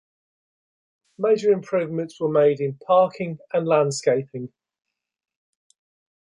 Major improvements were made in parking and landscaping.